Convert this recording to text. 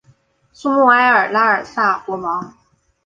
苏穆埃尔拉尔萨国王。